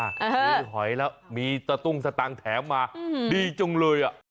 มีหอยแล้วมีตะตุ้งสตางค์แถมมาดีจังเลยอ่ะ